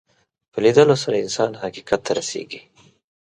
په لیدلو سره انسان حقیقت ته رسېږي